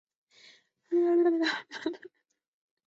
软体动物与部分的节肢动物以血蓝蛋白来输送氧气。